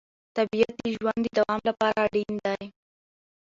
طبیعت د ژوند د دوام لپاره اړین دی